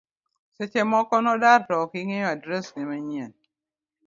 seche moko nodar to ok ing'eyo adres ne manyien,